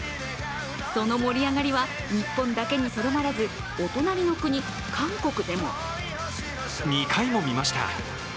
その盛り上がりは日本だけにとどまらず、お隣の国・韓国でも。